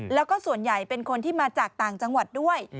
แล้วก็ส่วนใหญ่เป็นคนที่มาจากต่างจังหวัดด้วย